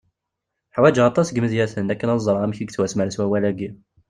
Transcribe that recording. Ḥwejeɣ aṭas n yimedyaten akken ad ẓreɣ amek yettwasemres wawal-agi.